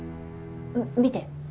見て。